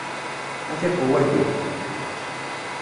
A tiqewwadin!